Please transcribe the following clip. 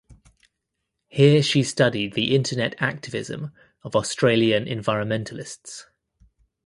Here she studied the internet activism of Australian environmentalists.